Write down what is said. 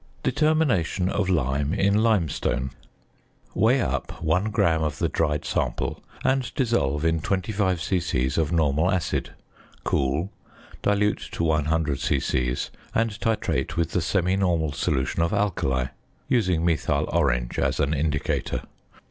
~Determination of Lime in Limestone.~ Weigh up 1 gram of the dried sample, and dissolve in 25 c.c. of normal acid, cool, dilute to 100 c.c., and titrate with the semi normal solution of alkali (using methyl orange as an indicator).